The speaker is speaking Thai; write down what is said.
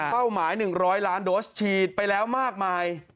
เป้าหมาย๑๐๐ล้านโดสฉีดไปแล้วมากมาย